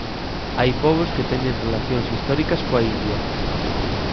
Hai pobos que teñen relacións históricas coa India.